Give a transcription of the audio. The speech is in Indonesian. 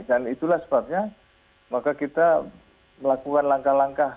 dan itulah sebabnya maka kita melakukan langkah langkah